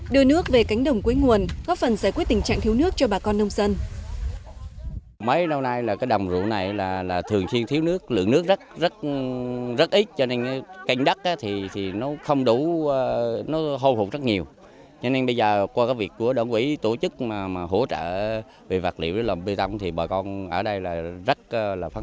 đưa nước về cánh đồng cuối nguồn góp phần giải quyết tình trạng thiếu nước cho bà con nông dân